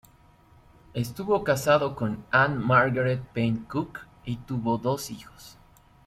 Estuvo casado con Anne Margaret Payne Cooke, y tuvo dos hijos.